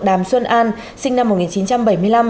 đàm xuân an sinh năm một nghìn chín trăm bảy mươi năm